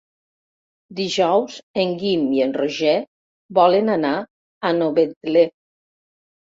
Dijous en Guim i en Roger volen anar a Novetlè.